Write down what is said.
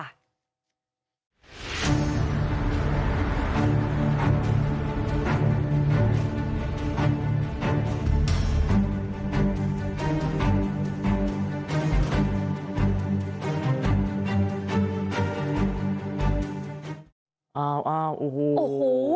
อ้าวโอ้โห